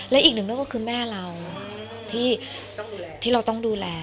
และอีกหนึ่งเรื่องก็คือแม่เราที่เราต้องดูแล